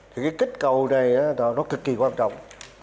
thì cái kích cầu này nó cực kỳ quan trọng